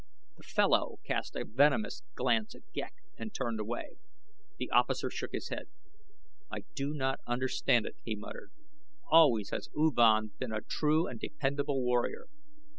The fellow cast a venomous glance at Ghek and turned away. The officer shook his head. "I do not understand it," he muttered. "Always has U Van been a true and dependable warrior.